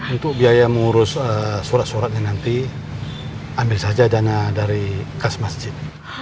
untuk biaya mengurus surat suratnya nanti ambil saja dana dari kas masjid